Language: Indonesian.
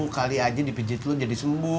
kali aja dipijit lo jadi sembuh